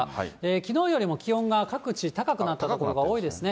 きのうよりも気温が各地、高くなった所が多いですね。